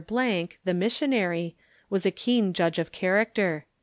——, the missionary, was a keen judge of character.